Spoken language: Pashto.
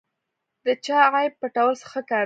د چا عیب پټول ښه کار دی.